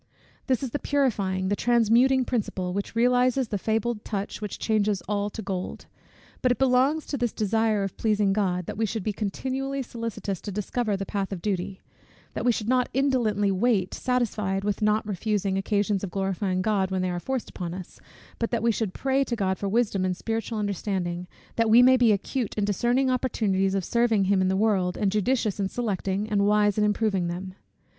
This is the purifying, the transmuting principle, which realizes the fabled touch, which changes all to gold. But it belongs to this desire of pleasing God, that we should be continually solicitous to discover the path of duty; that we should not indolently wait, satisfied with not refusing occasions of glorifying God, when they are forced upon us; but that we should pray to God for wisdom and spiritual understanding, that we may be, acute in discerning opportunities of serving him in the world, and judicious in selecting and wise in improving them.